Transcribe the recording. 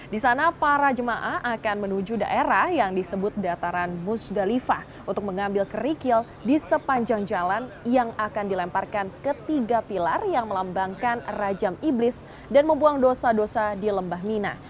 di sana para jemaah akan menuju daerah yang disebut dataran musdalifah untuk mengambil kerikil di sepanjang jalan yang akan dilemparkan ke tiga pilar yang melambangkan rajam iblis dan membuang dosa dosa di lembah mina